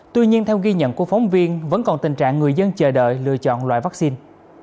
tuy nhiên theo ghi nhận của phóng viên vẫn còn tình trạng người dân chờ đợi lựa chọn loại vaccine